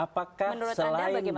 menurut anda bagaimana